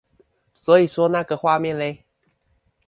所以說那個畫面勒？